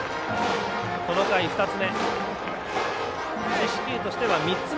この回２つ目。